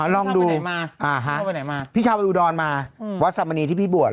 พี่ชาวไปไหนมาพี่ชาวไปดูดอนมาวัดสรรมณีที่พี่บวช